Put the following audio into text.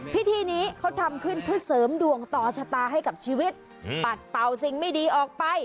พิธีนี้เขาทำขึ้นเพื่อเสริมดวงต่อชะตาให้กับชีวิตปัดเป่าสิ่งไม่ดีออกไป